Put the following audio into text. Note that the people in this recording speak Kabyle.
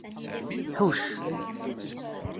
Ḥucc.